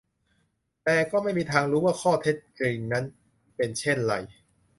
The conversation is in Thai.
แต่ก็ไม่มีทางรู้ว่าข้อเท็จจริงนั้นเป็นเช่นไร